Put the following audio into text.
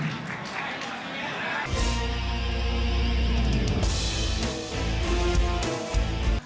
มครับ